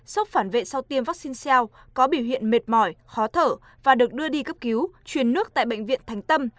sốc phản vệ sau tiêm vaccine có biểu hiện mệt mỏi khó thở và được đưa đi cấp cứu chuyển nước tại bệnh viện thành tâm